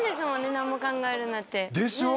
「何も考えるな」って。でしょ？